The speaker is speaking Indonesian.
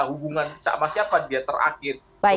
hubungan sama siapa dia terakhir